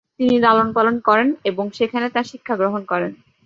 তিনি লালন-পালন করেন এবং সেখানে তার শিক্ষা গ্রহণ করেন।